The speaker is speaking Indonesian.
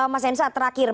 mas ensa terakhir